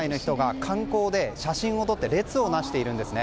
海外の人が、観光で写真を撮って列をなしているんですね。